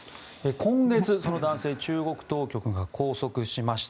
今月、その男性中国当局が拘束しました。